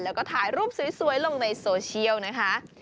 แล้วก็ถ่ายรูปสวยลงในโซเชียลนะคะ